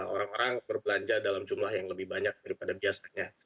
orang orang berbelanja dalam jumlah yang lebih banyak daripada biasanya